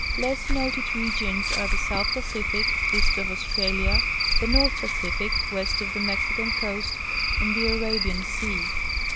Less noted regions are the South Pacific (East of Australia), the North Pacific (west of the Mexican coast), and the Arabian Sea.